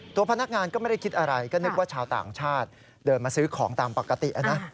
พนักงานก็ไม่ได้คิดอะไรก็นึกว่าชาวต่างชาติเดินมาซื้อของตามปกตินะ